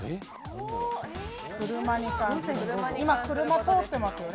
今、車通ってますよね